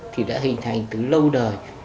thì đã hình thành từ lâu đời